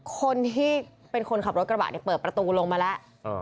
คนที่เป็นคนขับรถกระบะเนี่ยเปิดประตูลงมาแล้ว